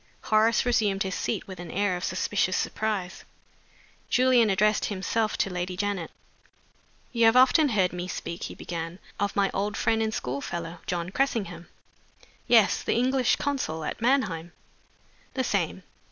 Horace resumed his seat with an air of suspicious surprise. Julian addressed himself to Lady Janet. "You have often heard me speak," he began, "of my old friend and school fellow, John Cressingham?" "Yes. The English consul at Mannheim?" "The same.